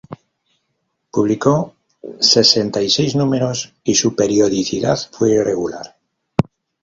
Publicó sesenta y seis números y su periodicidad fue irregular.